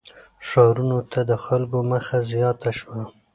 • ښارونو ته د خلکو مخه زیاته شوه.